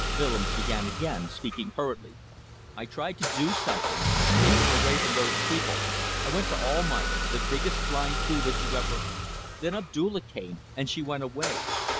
Willems began again, speaking hurriedly "I tried to do something. Take her away from those people. I went to Almayer; the biggest blind fool that you ever ... Then Abdulla came and she went away.